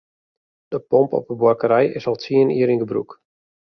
De pomp op de buorkerij is al tsien jier yn gebrûk.